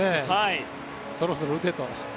そろそろ打てと。